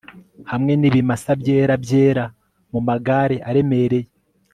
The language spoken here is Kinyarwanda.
Hamwe nibimasa byera byera mumagare aremereye